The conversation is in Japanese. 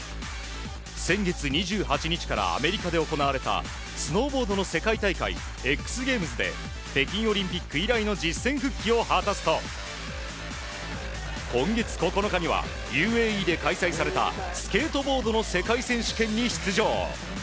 先月２８日からアメリカで行われたスノーボードの世界大会ＸＧＡＭＥＳで北京オリンピック以来の実戦復帰を果たすと今月９日にはＵＡＥで開催されたスケートボードの世界選手権に出場。